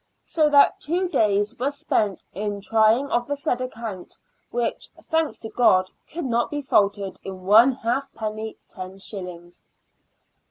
so that two days was spent in trying of the said account, which, thanks to God, could not be faulted in one halfpenny, los."